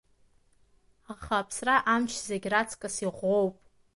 Аха аԥсра амч зегь раҵкыс иӷәӷәоуп.